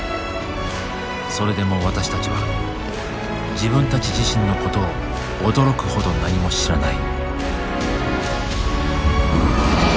それでも私たちは自分たち自身のことを驚くほど何も知らない。